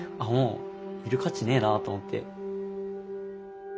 「もういる価値ねえな」と思って。